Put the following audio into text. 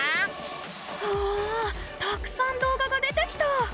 うわたくさん動画が出てきた！